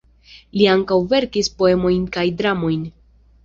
Li ankaŭ verkis poemojn kaj dramojn.